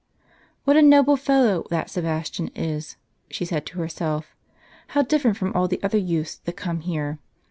" What a noble fellow that Sebastian is !" she said to herself. " How different from all the other youths that come here.